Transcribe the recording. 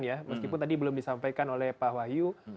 ya meskipun tadi belum disampaikan oleh pak wahyu